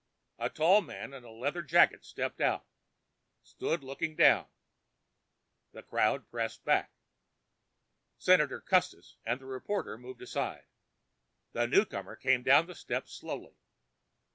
A tall man in a leather jacket stepped out, stood looking down. The crowd pressed back. Senator Custis and the reporter moved aside. The newcomer came down the steps slowly.